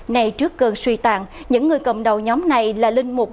này trước cơn suy tàn những người cầm đầu nhóm này là linh mục